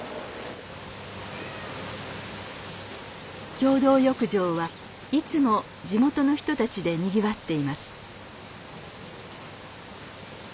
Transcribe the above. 共同浴場はいつも地元の人たちでにぎわっています。